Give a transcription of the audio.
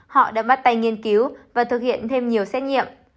họ đã bắt tay nghiên cứu và thực hiện thêm nhiều xét nghiệm